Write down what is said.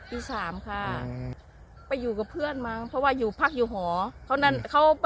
ตีสามค่ะไปอยู่กับเพื่อนมั้งเพราะว่าอยู่พักอยู่หอเขานั่นเขา